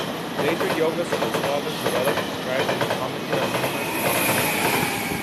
Later yoga school scholars developed, described and commented on numerous postures.